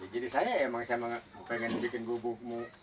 jadi saya emang saya pengen bikin gubukmu